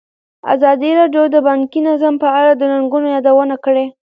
ازادي راډیو د بانکي نظام په اړه د ننګونو یادونه کړې.